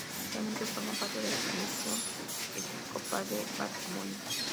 Actualmente forma parte de la Comisión Episcopal de Patrimonio.